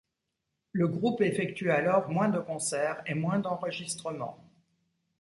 Le groupe effectue alors moins de concerts et moins d'enregistrements.